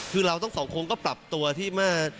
คือเราต้องสองคงก็ปรับตัวที่มา